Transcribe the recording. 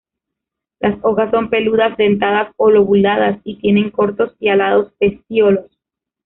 Las hojas son peludas dentadas o lobuladas y tienen cortos y alados pecíolos.